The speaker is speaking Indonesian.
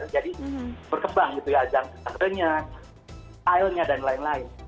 jadi berkembang gitu ya genre nya stylenya dan lain lain